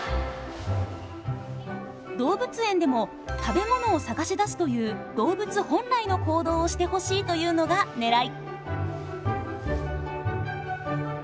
動物園でも食べ物を探し出すという動物本来の行動をしてほしいというのがねらい。